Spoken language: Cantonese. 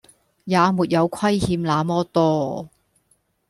也沒有虧欠那麼多